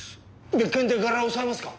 別件で身柄押さえますか？